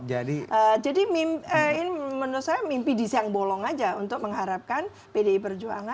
jadi menurut saya mimpi di siang bolong saja untuk mengharapkan pdi berjuangan